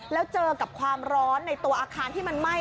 แล้วเจอกับความร้อนในตัวอาคารที่มันไหม้